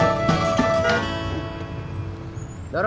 aku mau pergi